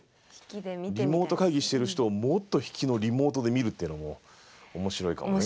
リモート会議してる人をもっと引きのリモートで見るってのも面白いかもね。